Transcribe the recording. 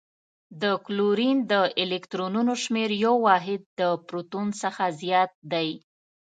د کلورین د الکترونونو شمیر یو واحد د پروتون څخه زیات دی.